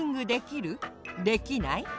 できない？